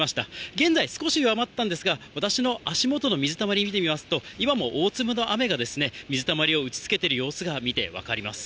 現在、少し弱まったんですが、私の足元の水たまり見てみますと、今も大粒の雨が水たまりを打ちつけている様子が見て分かります。